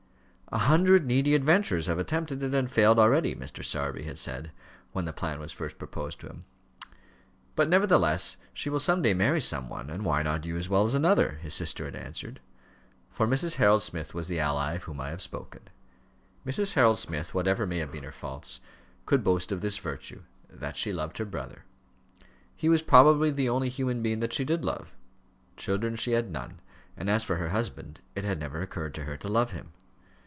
"A hundred needy adventurers have attempted it, and failed already," Mr. Sowerby had said, when the plan was first proposed to him. "But, nevertheless, she will some day marry some one; and why not you as well as another?" his sister had answered. For Mrs. Harold Smith was the ally of whom I have spoken. Mrs. Harold Smith, whatever may have been her faults, could boast of this virtue that she loved her brother. He was probably the only human being that she did love. Children she had none; and as for her husband, it had never occurred to her to love him.